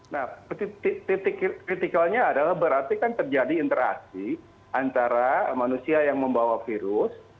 nah titik kritikalnya adalah berarti kan terjadi interaksi antara manusia yang membawa virus